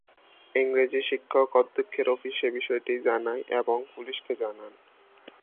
ইংরেজি শিক্ষক অধ্যক্ষের অফিসে বিষয়টি জানায় এবং পুলিশকে জানান।